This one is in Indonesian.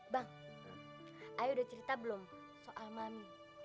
bang ayo udah cerita belum soal mami